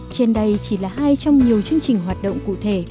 trên đây chỉ là hai trong nhiều chương trình hoạt động cụ thể